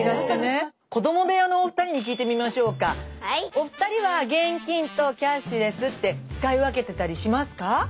お二人は現金とキャッシュレスって使い分けてたりしますか？